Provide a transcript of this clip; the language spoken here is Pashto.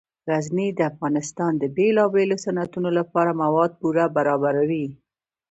غزني د افغانستان د بیلابیلو صنعتونو لپاره مواد پوره برابروي.